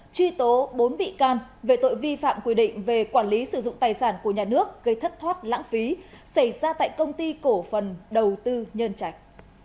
truy tố bốn bị can về tội vi phạm quy định về quản lý sử dụng tài sản của nhà nước gây thất thoát lãng phí xảy ra tại công ty cổ phần đầu tư nhân trạch